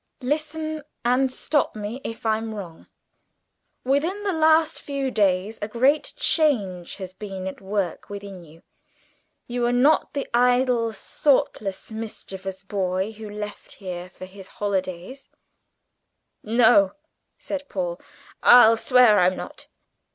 "Listen, and stop me if I'm wrong. Within the last few days a great change has been at work within you. You are not the idle, thoughtless, mischievous boy who left here for his holidays " "No," said Paul, "I'll swear I'm not!"